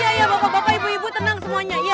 ya ya bapak bapak ibu ibu tenang semuanya